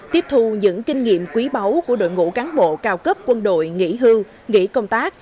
tiếp thu những kinh nghiệm quý báu của đội ngũ cán bộ cao cấp quân đội nghỉ hưu nghỉ công tác